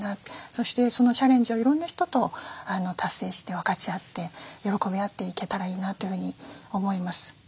そしてそのチャレンジをいろんな人と達成して分かち合って喜び合っていけたらいいなというふうに思います。